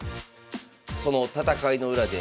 その戦いの裏で次期